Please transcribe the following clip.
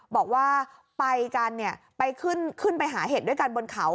บอกว่าไปกันเนี่ยไปขึ้นขึ้นไปหาเห็ดด้วยกันบนเขา